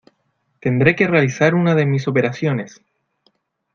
Tendré que realizar una de mis operaciones.